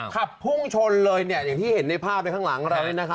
ครับภูงชนเลยอย่างที่เห็นในภาพข้างหลังของเรานี่นะคะ